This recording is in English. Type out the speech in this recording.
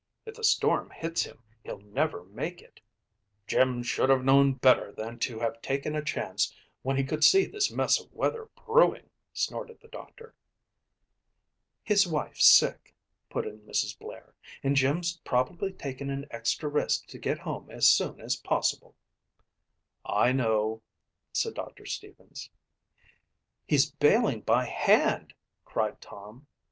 "If the storm hits him he'll never make it." "Jim should have known better than to have taken a chance when he could see this mess of weather brewing," snorted the doctor. "His wife's sick," put in Mrs. Blair, "and Jim's probably taken an extra risk to get home as soon as possible." "I know," said Doctor Stevens. "He's bailing by hand," cried Tom.